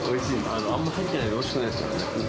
あんまり入ってないとおいしくないんですよね。